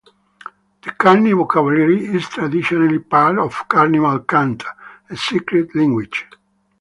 The carny vocabulary is traditionally part of carnival cant, a secret language.